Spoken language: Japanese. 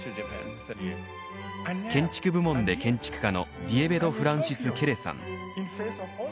建築部門で建築家のディエベド・フランシス・ケレさん。